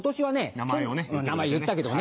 名前をね。